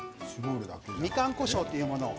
みかんこしょうというものを。